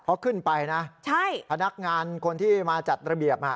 พอขึ้นไปนะพนักงานคนที่มาจัดระเบียบ